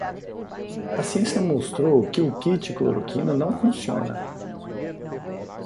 A ciência mostrou que o kit cloroquina não funciona